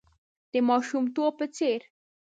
د ماشومتوب په څېر .